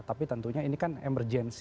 tapi tentunya ini kan emergensi